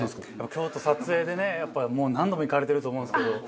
京都撮影でねやっぱもう何度も行かれてると思うんですけど。